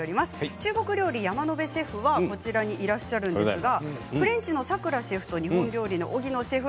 中国料理、山野辺シェフはこちらにいらっしゃるんですがフレンチのさくらシェフと日本料理の荻野シェフ